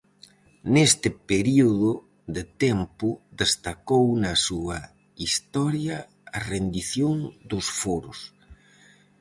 Neste período de tempo destacou na súa historia a rendición dos foros.